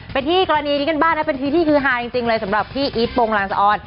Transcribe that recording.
ไปที่กรณีนี้กันบ้างนะเป็นทีที่คือฮาจริงเลยสำหรับพี่อีทโปรงลางสะออน